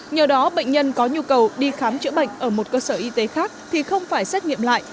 nhờ đó bệnh nhân có nhu cầu đi khám chữa bệnh ở một cơ sở y tế khác thì không phải xét nghiệm lại